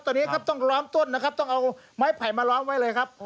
ตอนนี้ครับต้องล้อมต้นนะครับต้องเอาไม้ไผ่มาล้อมไว้เลยครับ